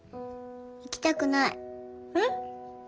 行きたくない。え？